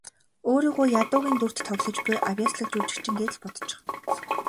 Өөрийгөө ядуугийн дүрд тоглож буй авъяаслагжүжигчин гээд л бодчих.